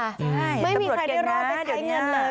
ไม่มีใครรอดไปใช้เงินเลย